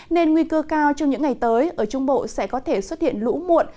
nên nguy cơ cao trong những ngày tới ở trung bộ sẽ có thể xuất hiện lũ muộn